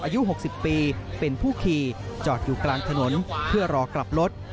อายุ๖๐ปีเป็นผู้ขี่จอดอยู่กลางถนนเพื่อรอกลับรถ